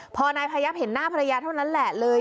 พอนายพยับเห็นหน้าภรรยาเท่านั้นแหละเลย